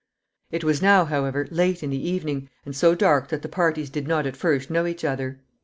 It was now, however, late in the evening, and so dark that the parties did not at first know each other.